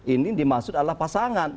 ini dimaksud adalah pasangan